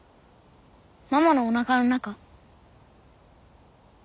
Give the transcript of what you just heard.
ママのおなかの中